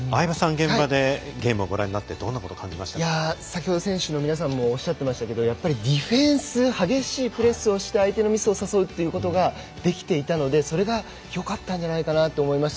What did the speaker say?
現場でゲームをご覧になって先ほど選手の皆さんもおっしゃっていましたがディフェンス激しいプレスをして相手のミスを誘うということができていたのでそれが、よかったんじゃないかなと思いました。